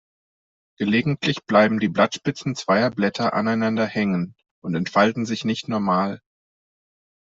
Gelegentlich bleiben die Blattspitzen zweier Blätter aneinander hängen und entfalten sich nicht normal.